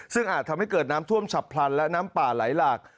ซึ่งอาจทำให้เกิดน้ำท่วมฉับพลันและน้ำป่าไหลหลาก